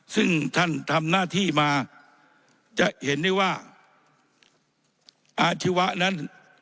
ซึ่งท่านทำหน้าที่มาจะเห็นได้ว่าอาชีวะนั้น